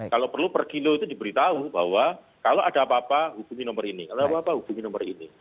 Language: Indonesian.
kalau perlu per kilo itu diberitahu bahwa kalau ada apa apa hubungi nomor ini kalau apa apa hubungi nomor ini